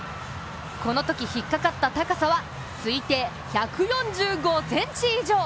このときひっかかった高さは推定１４５ｃｍ以上。